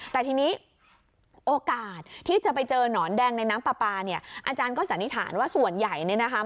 แต่ทีนี้โอกาสที่จะไปเจอหนอนแดงในน้ำปลาปลาเนี่ยอาจารย์ก็สันนิษฐานว่าส่วนใหญ่เนี่ยนะคะ